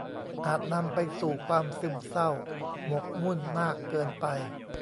อาจนำไปสู่ความซึมเศร้าหมกมุ่นมากเกินไป